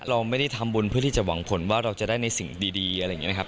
เราไม่ได้ทำบุญเพื่อที่จะหวังผลว่าเราจะได้ในสิ่งดีอะไรอย่างนี้นะครับ